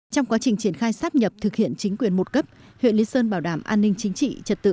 trong quá trình triển khai sát nhập thực hiện chính quyền một cấp huyện lý sơn bảo đảm an ninh chính trị